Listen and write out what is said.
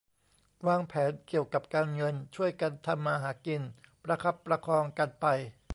วางแผนเกี่ยวกับการเงิน ช่วยกันทำมาหากิน ประคับประคองกันไป